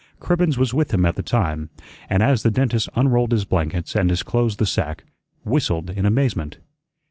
Cribbens was with him at the time, and as the dentist unrolled his blankets and disclosed the sack, whistled in amazement.